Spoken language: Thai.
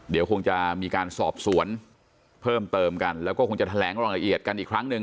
เดี๋ยวคงจะมีการสอบสวนเพิ่มเติมกันแล้วก็คงจะแถลงรายละเอียดกันอีกครั้งหนึ่ง